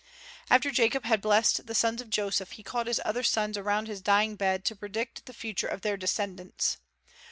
After Jacob had blessed the sons of Joseph, he called his other sons around his dying bed to predict the future of their descendants.